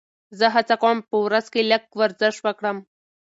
زه هڅه کوم چې په ورځ کې لږ ورزش وکړم.